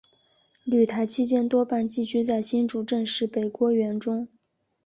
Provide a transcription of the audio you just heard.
旅台期间多半寄居在新竹郑氏北郭园中。